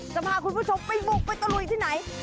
จะพาคุณผู้ชมไปบุกไปตะลุยที่ไหน